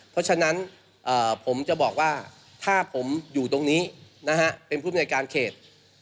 เพราะฉะนั้นผมจะบอกว่าถ้าผมอยู่ตรงนี้นะฮะเป็นผู้บริการเขต